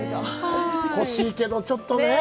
欲しいけど、ちょっとねぇ。